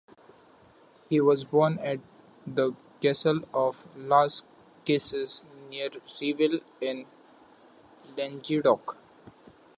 He was born at the castle of Las Cases near Revel in Languedoc.